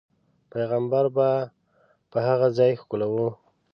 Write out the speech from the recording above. پیغمبر به په هغه ځاې ښکلو.